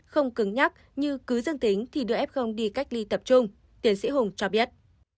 không cứng nhắc như cứ dương tính thì đưa f đi cách ly tập trung tiến sĩ hùng cho biết